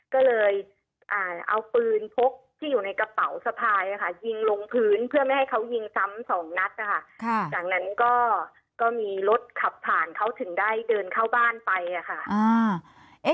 ก็เลยเอาปืนพกที่อยู่ในกระเป๋าสะพายยิงลงพื้นเพื่อไม่ให้เขายิงซ้ำสองนัดนะคะจากนั้นก็มีรถขับผ่านเขาถึงได้เดินเข้าบ้านไปค่ะ